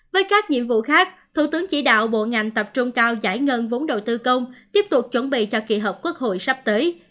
với các nhiệm vụ khác thủ tướng chỉ đạo bộ ngành tập trung cao giải ngân vốn đầu tư công tiếp tục chuẩn bị cho kỳ họp quốc hội sắp tới